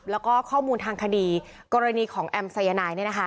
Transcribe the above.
แล้วก็ข้อมูลทางคดีกรณีของแอมสายนาย